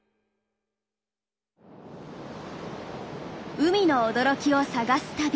海の驚きを探す旅。